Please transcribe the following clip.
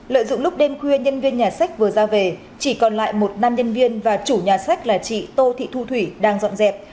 lợi dụng lúc đêm khuya nhân viên nhà sách vừa ra về chỉ còn lại một nam nhân viên và chủ nhà sách là chị tô thị thu thủy đang dọn dẹp